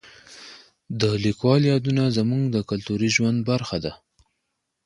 د لیکوالو یادونه زموږ د کلتوري ژوند برخه ده.